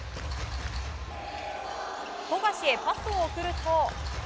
富樫へパスを送ると。